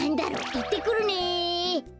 いってくるね。